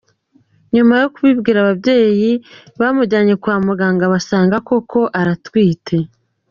Nyuma yo kubibwira ababyeyi bamujyanye kwa muganga basanga koko atwite.